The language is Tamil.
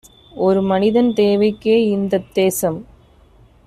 ஒருமனிதன் தேவைக்கே இந்தத் தேசம்